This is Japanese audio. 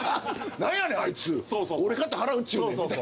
「何やねんあいつ俺かて払うっちゅうねん」みたいな。